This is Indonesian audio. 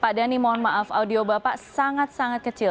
pak dhani mohon maaf audio bapak sangat sangat kecil